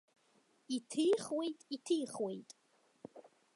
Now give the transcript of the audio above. Иҭихуеит, иҭихуеит.